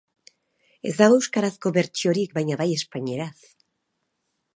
Ez dago euskarazko bertsiorik, baina bai espainieraz.